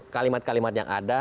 kalimat kalimat yang ada